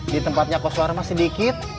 di tempatnya kos warma sedikit